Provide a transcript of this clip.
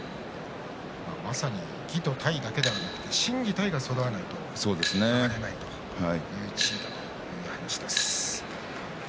まさに技と体だけでなく心技体がそろわないと上がれない地位だと思います。